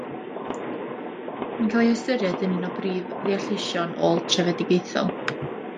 Mae'n cael ei hystyried yn un o'r prif ddeallusion ôl-trefedigaethol.